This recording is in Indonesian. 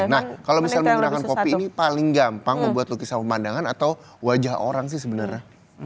nah kalau misalnya menggunakan kopi ini paling gampang membuat lukisan pemandangan atau wajah orang sih sebenarnya